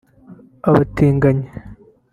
abatinganyi